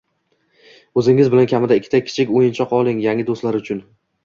o‘zingiz bilan kamida ikkita kichik o‘yinchoq oling – yangi do‘stlar uchun.